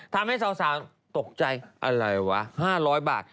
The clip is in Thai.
ทำให้สาวตกใจอะไรวะ๕๐๐บาท